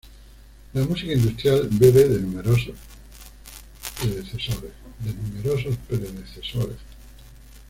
La música industrial bebe de numerosos predecesores.